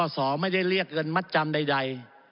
สอไม่ได้เรียกเงินมัดจำใด